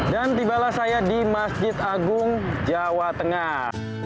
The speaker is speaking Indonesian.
dan tibalah saya di masjid agung jawa tengah